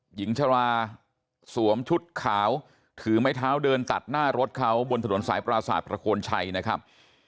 หญิงชราสวมชุดขาวถือไม้เท้าเดินตัดหน้ารถเขาบนถนนสายปราศาสตร์ประโคนชัยนะครับ